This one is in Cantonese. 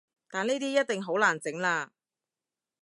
但呢啲一定好難整喇